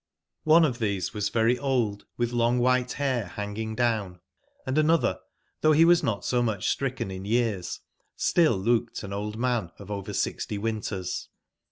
One of tbese was very old, witb long Iwbite bair banging down ; and anotber, tbougb be was not so mucb stricken in years, still looked an old man of over sixty winters.